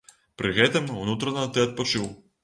Пры гэтым, унутрана ты адпачыў.